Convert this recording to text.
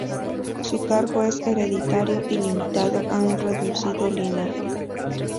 Su cargo es hereditario y limitado a un reducido linaje.